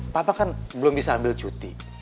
papa kan belum bisa ambil cuti